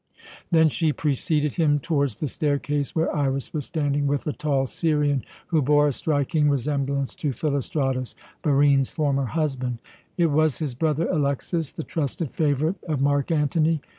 Then she preceded him towards the staircase, where Iras was standing with a tall Syrian, who bore a striking resemblance to Philostratus, Barine's former husband. It was his brother Alexas, the trusted favourite of Mark Antony.